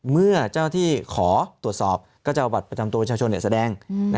เมื่อเจ้าที่ขอตรวจสอบก็จะเอาบัตรประจำตัวประชาชนแสดง